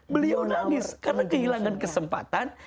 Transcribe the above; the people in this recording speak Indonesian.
beliau nangis karena kehilangan kesempatan